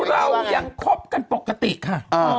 เรายังคบกันปกติค่ะ